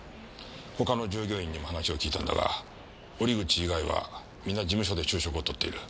他の従業員にも話を聞いたんだが折口以外は皆事務所で昼食を取っている。